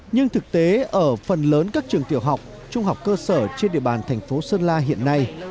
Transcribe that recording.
nhưng thực tế ở phần lớn các trường tiểu học trung học cơ sở trên địa bàn thành phố sơn la hiện nay